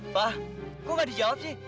fah kok gak di jauh